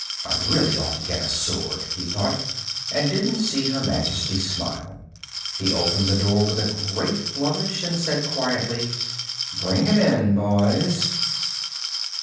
I really ought to get a sword, he thought, and didn't see Her Majesty smile. He opened the door with a great flourish and said quietly: "Bring him in, boys."